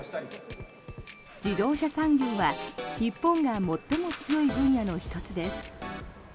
自動車産業は日本が最も強い分野の１つです。